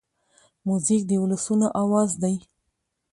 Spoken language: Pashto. موزیک د ولسونو آواز دی.